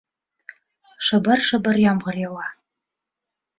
Шыбыр-шыбыр ямғыр яуа